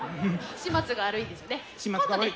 「始末が悪い」ですよね。